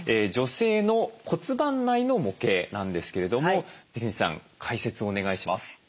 女性の骨盤内の模型なんですけれども関口さん解説をお願いします。